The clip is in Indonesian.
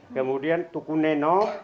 kemudian tuku neno